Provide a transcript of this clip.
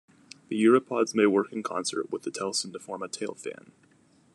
The uropods may work in concert with the telson to form a "tail fan".